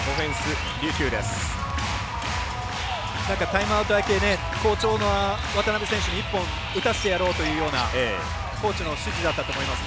タイムアウト明け好調な渡邉選手に１本打たせてやろうというようなコーチの指示だったと思います。